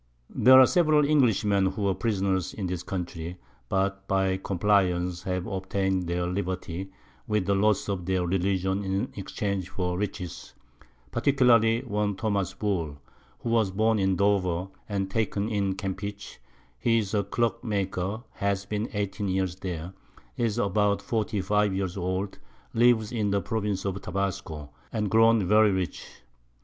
There are several Englishmen who were Prisoners in this Country, that, by Compliance, have obtain'd their Liberty, with the Loss of their Religion in exchange for Riches; particularly one Thomas Bull, who was born in Dover, and taken in Campeche; he is a Clock maker, has been 18 Years there, is about 45 Years old, lives in the Province of Tabasco, and grown very rich.